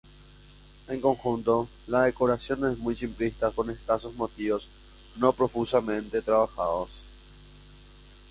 En conjunto, la decoración es muy simplista con escasos motivos no profusamente trabajados.